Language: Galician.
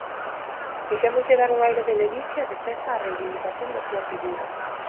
Quixémoslle dar un aire de ledicia e de festa á reivindicación da súa figura.